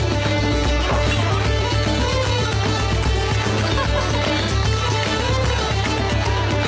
アハハハ。